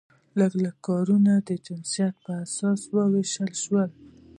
لږ لږ کارونه د جنسیت په اساس وویشل شول.